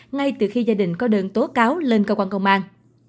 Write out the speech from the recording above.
ngay từ khi gia đình có đơn tố cáo lên cơ quan công an